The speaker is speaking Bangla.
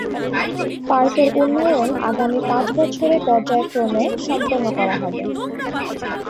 পার্কের উন্নয়ন আগামী পাঁচ বছরে পর্যায়ক্রমে সম্পন্ন করা হবে।